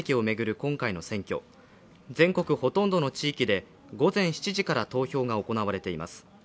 今回の選挙、全国ほとんどの地域で午前７時から投票が行われています。